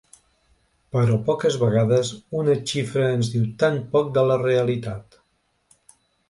Però poques vegades una xifra ens diu tan poc de la realitat.